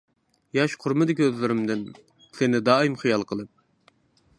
ياش قۇرمىدى كۆزلىرىمدىن، سىنى دائىم خىيال قىلىپ.